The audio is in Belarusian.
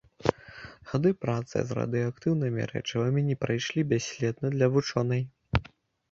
Гады працы з радыеактыўнымі рэчывамі не прайшлі бясследна для вучонай.